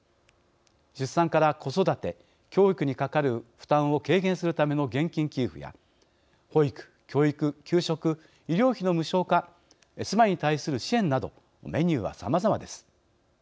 出産から子育て、教育にかかる負担を軽減するための現金給付や、保育、教育、給食医療費の無償化住まいに対する支援などメニューはさまざまです。